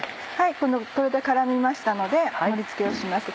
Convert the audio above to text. これで絡みましたので盛り付けをします。